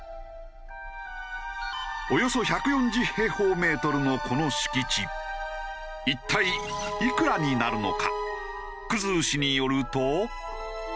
およそ１４０平方メートルのこの敷地一体いくらになるのか？